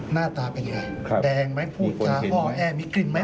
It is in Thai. หน้าตาเป็นยังไงแดงไหมพูดจาห้อแอมีกลิ่นไหม